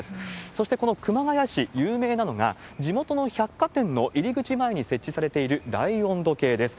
そしてこの熊谷市、有名なのが、地元の百貨店の入り口前に設置されている大温度計です。